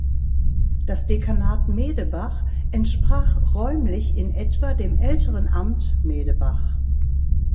Das Dekanat Medebach entsprach räumlich in etwa dem älteren Amt Medebach.